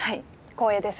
光栄です。